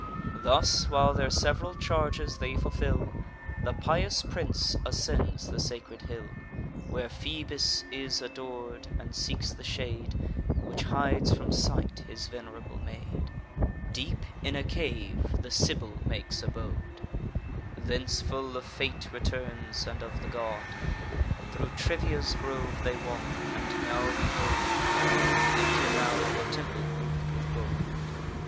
Thus, while their sev'ral charges they fulfil, The pious prince ascends the sacred hill Where Phoebus is ador'd; and seeks the shade Which hides from sight his venerable maid. Deep in a cave the Sibyl makes abode; Thence full of fate returns, and of the god. Thro' Trivia's grove they walk; and now behold, And enter now, the temple roof'd with gold.